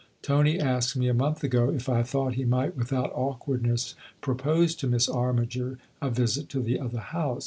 Tony asked me a month ago if I thought he might without awkwardness propose to Miss Armiger a visit to the other house.